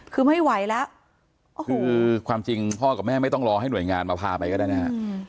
คือไม่ไหวแล้วคือความจริงพ่อกับแม่ไม่ต้องรอให้หน่วยงานมาพาไปก็ได้นะฮะ